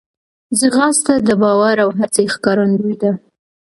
ځغاسته د باور او هڅې ښکارندوی ده